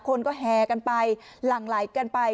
คนก็แห่กันไปหลั่งไหลกันไป